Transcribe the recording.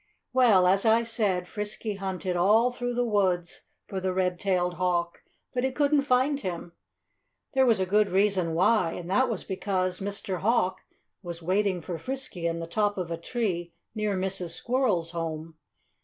Well, as I said, Frisky hunted all through the woods for the red tailed hawk. But he couldn't find him. There was a good reason why and that was because Mr. Hawk was waiting for Frisky in the top of a tree near Mrs. Squirrel's home.